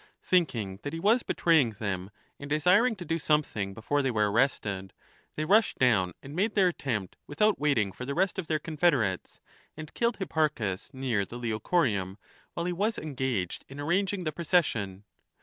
Thinking that he was betraying them, and desiring to do something before they were arrested, they rushed down and made their attempt without waiting for the rest of their confederates, and killed Hipparchus near the Leocoreum while he was engaged in arranging the procession.